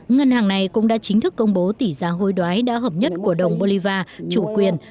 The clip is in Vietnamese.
ngân hàng này cũng đã chính thức công bố tỷ giá hối đoái đã hợp nhất của đồng bolivar chủ quyền